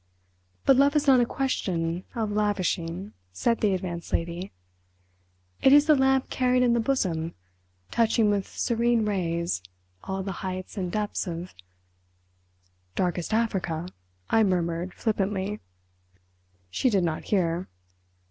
"But Love is not a question of lavishing," said the Advanced Lady. "It is the lamp carried in the bosom touching with serene rays all the heights and depths of—" "Darkest Africa," I murmured flippantly. She did not hear.